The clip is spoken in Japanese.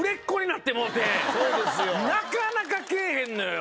なかなか来えへんのよ。